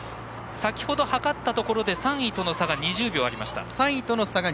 先程、計ったところで３位との差が２０秒でした。